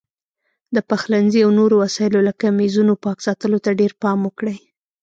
د پخلنځي او نورو وسایلو لکه میزونو پاک ساتلو ته ډېر پام وکړئ.